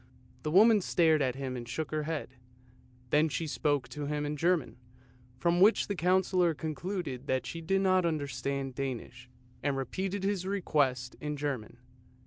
The woman stared at him and shook her head ; then she spoke to him in German, from which the Councillor concluded that she did not understand Danish, and repeated his request in German.